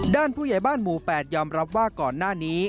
ผู้ใหญ่บ้านหมู่๘ยอมรับว่าก่อนหน้านี้